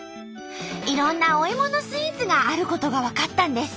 いろんなおイモのスイーツがあることが分かったんです。